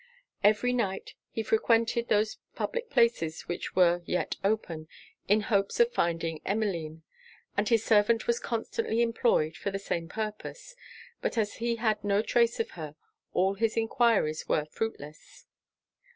Every night he frequented those public places which were yet open, in hopes of finding Emmeline; and his servant was constantly employed for the same purpose; but as he had no trace of her, all his enquiries were fruitless.